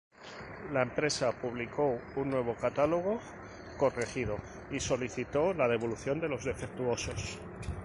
La empresa publicó un nuevo catálogo corregido y solicitó la devolución de los "defectuosos".